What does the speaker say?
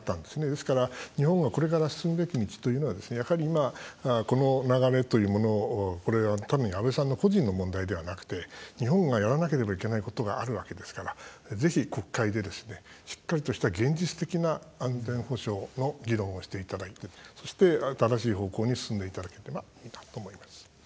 ですから、日本がこれから進むべき道というのはやはり今、この流れというものはこれはたぶん、安倍さんの個人の問題ではなくて、日本がやらなければいけないことがあるわけですから、ぜひ国会でしっかりとした現実的な安全保障の議論をしていただいてそして、新しい方向に進んでいければいいなと思います。